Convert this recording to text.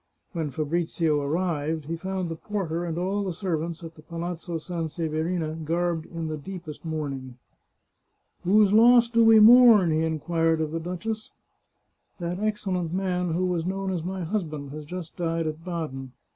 When Fabrizio arrived, he found the porter and all the 182 The Chartreuse of Parma servants at the Palazzo Sanseverina garbed in the deepest mourning. " Whose loss do we mourn ?" he inquired of the duchess. " That excellent man who was known as my husband has just died at Baden.